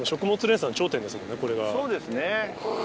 そうですね。